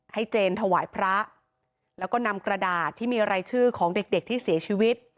เจนถวายพระแล้วก็นำกระดาษที่มีรายชื่อของเด็กเด็กที่เสียชีวิต